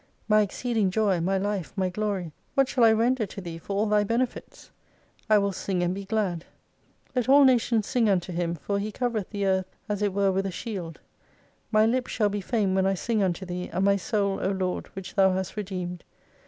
My exceeding joy, my life, my glory, what shall I render to Thee, for all Thy benefits ? I will sing and be glad. Let all nations singninto Him, for He covereth the earth as it were with a shield. My lips shall be fain when I sing unto Thee, and my soul, O Lord, which Thou hast redeemed.